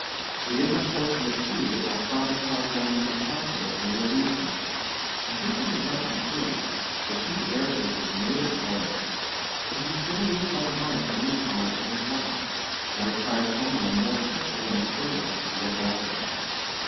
It is unfortunate, too, that my fatherâs health renders it impossible for me to leave him. I think he has much improved; the sea air is his native element; but he still needs my arm to lean upon in his walks, and requires some one more careful that a servant to look after him.